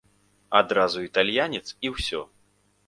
Адразу італьянец і ўсё.